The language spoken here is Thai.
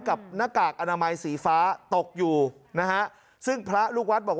หน้ากากอนามัยสีฟ้าตกอยู่นะฮะซึ่งพระลูกวัดบอก